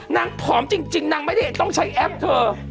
ผอมจริงนางไม่ได้ต้องใช้แอปเธอ